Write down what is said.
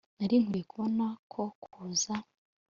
nari nkwiye kubona ko kuza